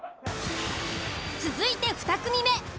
続いて２組目。